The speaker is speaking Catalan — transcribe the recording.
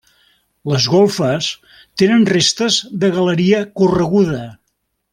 Les golfes tenen restes de galeria correguda.